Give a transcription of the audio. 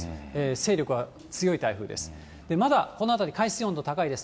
勢力が強い台風です。